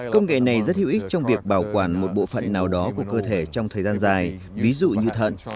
công nghệ này rất hữu ích trong việc bảo quản một bộ phận nào đó của cơ thể trong thời gian dài ví dụ như thận